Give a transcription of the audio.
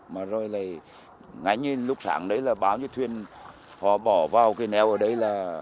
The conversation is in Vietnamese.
mà rồi lại ngay như lúc sáng đấy là báo như thuyền họ bỏ vào cái neo ở đấy là